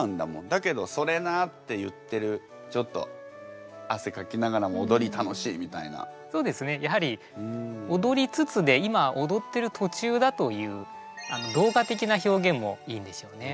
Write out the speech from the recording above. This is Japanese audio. だけど「それな」って言ってるちょっとそうですねやはり「踊りつつ」で今踊ってる途中だという動画的な表現もいいんでしょうね。